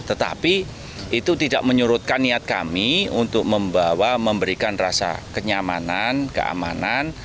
tetapi itu tidak menyurutkan niat kami untuk membawa memberikan rasa kenyamanan keamanan